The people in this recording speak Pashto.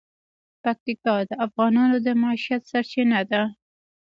پکتیکا د افغانانو د معیشت سرچینه ده.